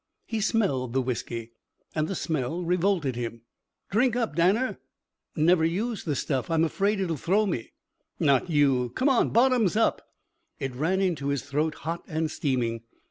He smelled the whisky, and the smell revolted him. "Drink up, Danner!" "Never use the stuff. I'm afraid it'll throw me." "Not you. Come on! Bottoms up!" It ran into his throat, hot and steaming.